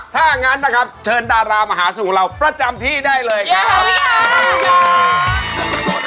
ถ้างั้นนะครับเชิญดารามาหาสู่เราประจำที่ได้เลยครับสวัสดีค่ะ